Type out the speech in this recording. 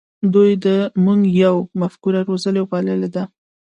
دوی د "موږ یو" مفکوره روزلې او پاللې ده.